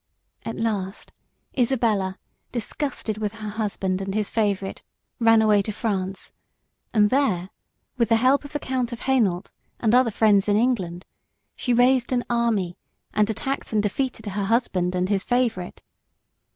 At last Isabella, disgusted with her husband and his favourite, ran away to France, and there, with the help of the Count of Hainault and other friends in England, she raised an army and attacked and defeated her husband and his favourite.